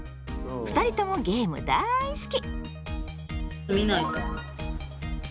２人ともゲーム大好き。